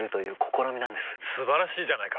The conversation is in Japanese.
素晴らしいじゃないか！